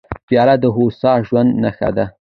پیاله د هوسا ژوند نښه ده.